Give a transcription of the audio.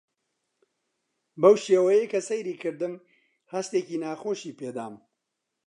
بەو شێوەیەی کە سەیری کردم هەستێکی ناخۆشی پێ دام.